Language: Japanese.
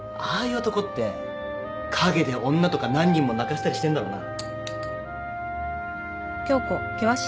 いう男って陰で女とか何人も泣かしたりしてんだろうな。